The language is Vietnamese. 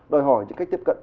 đòi hỏi những cách tiếp cận